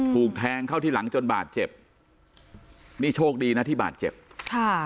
ถูกแทงเข้าที่หลังจนบาดเจ็บนี่โชคดีนะที่บาดเจ็บค่ะ